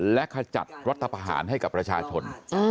และขจัดรัฐประหารให้กับประชาชน